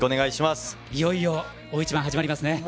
いよいよ、大一番始まりますね。